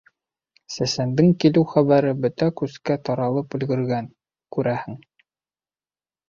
Сәсәндең килеү хәбәре бөтә күскә таралып өлгөргән, күрәһең.